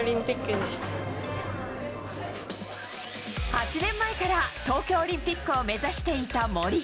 ８年前から東京オリンピックを目指していた森。